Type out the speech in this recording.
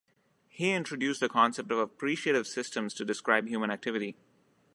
He introduced the concept of appreciative systems to describe human activity.